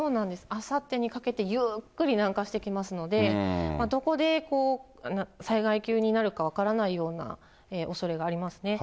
あさってにかけてゆっくり南下してきますので、どこで災害級になるか分からないようなおそれがありますね。